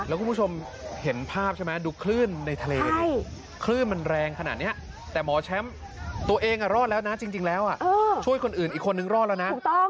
แล้วคุณผู้ชมเห็นภาพใช่ไหมดูคลื่นในทะเลดิคลื่นมันแรงขนาดนี้แต่หมอแชมป์ตัวเองรอดแล้วนะจริงแล้วช่วยคนอื่นอีกคนนึงรอดแล้วนะ